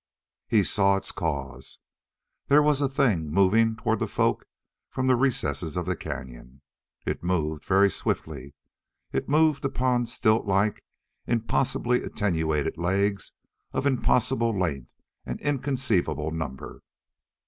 He saw its cause. There was a thing moving toward the folk from the recesses of the cañon. It moved very swiftly. It moved upon stilt like, impossibly attenuated legs of impossible length and inconceivable number.